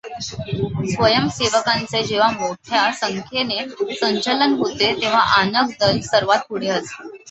स्वयंसेवकांचे जेव्हा मोठ्या संख्येने संचलन होते तेव्हा आनक दल सर्वात पुढे असते.